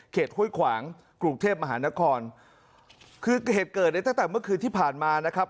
ห้วยขวางกรุงเทพมหานครคือเหตุเกิดในตั้งแต่เมื่อคืนที่ผ่านมานะครับ